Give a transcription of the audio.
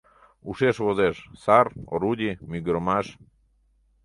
Ушеш возеш: сар, орудий мӱгырымаш...